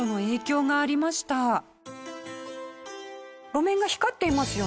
路面が光っていますよね。